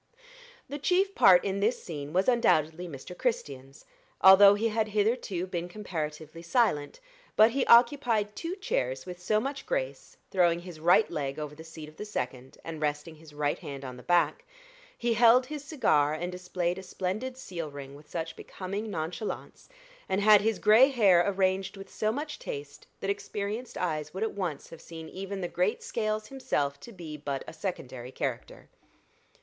The chief part in this scene was undoubtedly Mr. Christian's, although he had hitherto been comparatively silent; but he occupied two chairs with so much grace, throwing his right leg over the seat of the second, and resting his right hand on the back; he held his cigar and displayed a splendid seal ring with such becoming nonchalance, and had his gray hair arranged with so much taste, that experienced eyes would at once have seen even the great Scales himself to be but a secondary character.